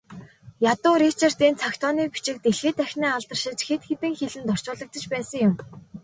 Ядуу Ричардын цаг тооны бичиг дэлхий дахинаа алдаршиж, хэд хэдэн хэлэнд орчуулагдаж байсан юм.